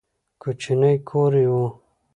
کوچنی کور یې و.